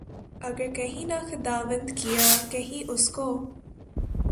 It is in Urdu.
اگر کہیں نہ خداوند، کیا کہیں اُس کو؟